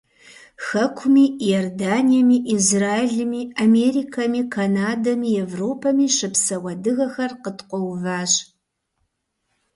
Хэкуми, Иорданиеми, Израилми, Америкэми, Канадэми, Европэми щыпсэу адыгэхэр къыткъуэуващ.